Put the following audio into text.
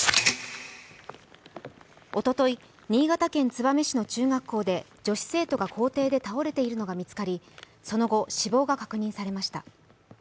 おととい、新潟県燕市の中学校で女子生徒が校庭で倒れているのが見つかり、その後、死亡が確認されました。